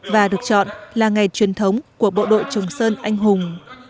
và được chọn là ngày truyền thống của bộ đội trường sơn anh hùng